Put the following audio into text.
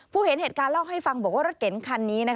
เห็นเหตุการณ์เล่าให้ฟังบอกว่ารถเก๋งคันนี้